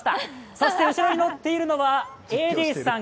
そして後ろに乗っているのはＡＤさん